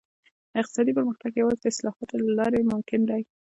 اقتصادي پرمختګ یوازې د اصلاحاتو له لارې ممکن دی.